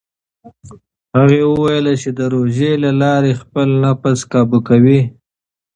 هغه وویل چې د روژې له لارې خپل نفس کابو کوي.